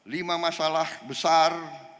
lima masalah besar